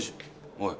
おい。